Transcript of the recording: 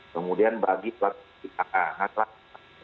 kemudian bagi bagi kata kata